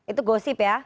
itu gosip ya